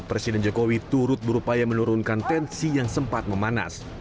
presiden jokowi turut berupaya menurunkan tensi yang sempat memanas